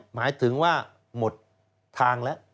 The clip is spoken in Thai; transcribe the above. หมายถึงว่าหมดทางแล้ว